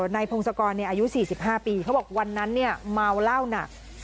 นายพงศกรอายุ๔๕ปีเขาบอกวันนั้นเมาเหล้าหนัก